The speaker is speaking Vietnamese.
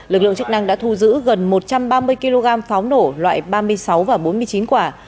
lực lượng chức năng đã thu giữ gần một trăm ba mươi kg pháo nổ loại ba mươi sáu và bốn mươi chín quả